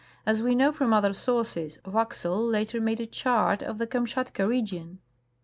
As we know from other sources, Waxel later made a chart of the Kamschatka region.